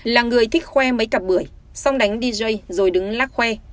là người thích khoe mấy cặp bưởi xong đánh dj rồi đứng lắc khoe